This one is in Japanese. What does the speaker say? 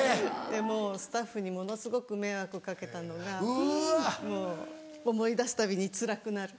もうスタッフにものすごく迷惑を掛けたのがもう思い出すたびにつらくなる。